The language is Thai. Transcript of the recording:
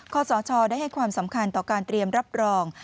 สชได้ให้ความสำคัญต่อการเตรียมรับรอง